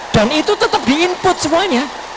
dan itu tetap di input semuanya